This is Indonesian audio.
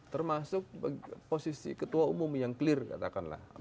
termasuk posisi ketua umum yang clear katakanlah